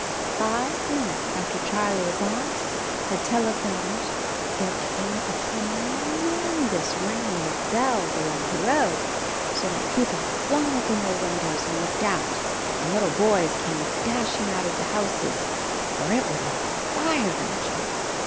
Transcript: Five minutes after Charlie's Aunt had telephoned there came a tremendous ringing of bells along the road, so that people flung open their windows and looked out, and little boys came dashing out of the houses — for it was a fire engine!